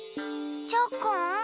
チョコン。